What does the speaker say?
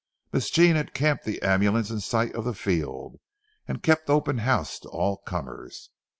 Miss Jean had camped the ambulance in sight of the field, and kept open house to all comers.